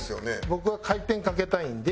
僕は回転かけたいんで。